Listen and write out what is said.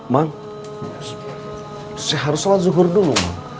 mang saya harus sholat zuhur dulu